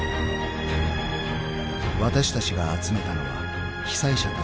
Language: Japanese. ［私たちが集めたのは被災者たちの声］